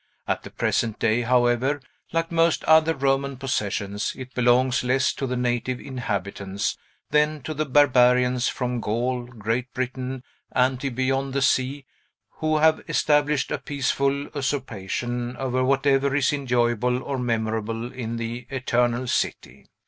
At the present day, however, like most other Roman possessions, it belongs less to the native inhabitants than to the barbarians from Gaul, Great Britain, anti beyond the sea, who have established a peaceful usurpation over whatever is enjoyable or memorable in the Eternal City.